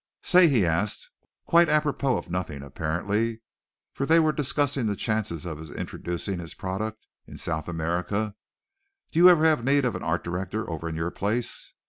"Say," he asked, quite apropos of nothing apparently, for they were discussing the chances of his introducing his product into South America, "do you ever have need of an art director over in your place?"